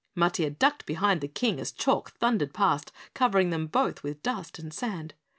Matiah ducked behind the King as Chalk thundered past, covering them both with dust and sand.